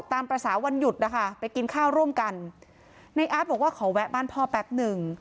ตามภาษาวันหยุดนะคะไปกินข้าวร่วมกันในอาร์ตบอกว่าขอแวะบ้านพ่อแป๊บหนึ่ง